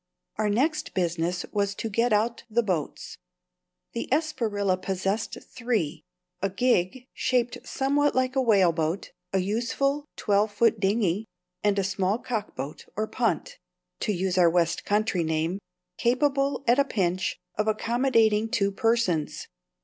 Our next business was to get out the boats. The Espriella possessed three a gig, shaped somewhat like a whaleboat; a useful, twelve foot dinghy; and a small cockboat, or "punt" (to use our West Country name), capable, at a pinch, of accommodating two persons.